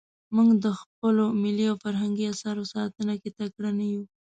موږ د خپلو ملي او فرهنګي اثارو ساتنه کې تکړه نه یو.